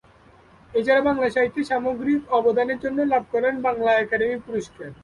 এছাড়া বাংলা সাহিত্যে সামগ্রিক অবদানের জন্য লাভ করেন বাংলা একাডেমি পুরস্কার।